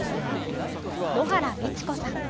野原道子さん。